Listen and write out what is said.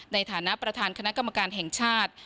ในฐานะประธานคณะกรรมการแห่งชาติ